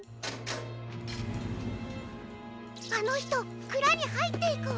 あのひとくらにはいっていくわ。